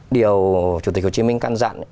điều chủ tịch hồ chí minh căn dặn